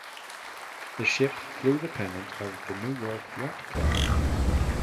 The ship flew the pennant of the New York Yacht Club.